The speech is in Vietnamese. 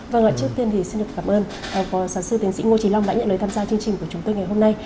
vâng ạ trước tiên thì xin được cảm ơn phó giáo sư tiến sĩ ngô trí long đã nhận lời tham gia chương trình của chúng tôi ngày hôm nay